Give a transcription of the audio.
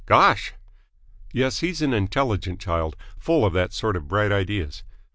"Gosh!" "Yes, he's an intelligent child, full of that sort of bright ideas.